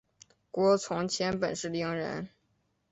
郭从谦本是伶人。